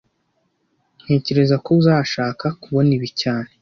Ntekereza ko uzashaka kubona ibi cyane